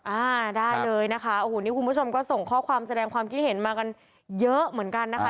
อ่าได้เลยนะคะโอ้โหนี่คุณผู้ชมก็ส่งข้อความแสดงความคิดเห็นมากันเยอะเหมือนกันนะคะ